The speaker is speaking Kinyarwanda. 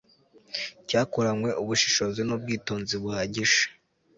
cyakoranywe ubushishozi n ubwitonzi buhagije